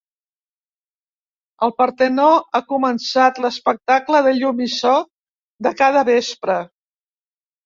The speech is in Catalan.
Al Partenó ha començat l'espectacle de llum i so de cada vespre.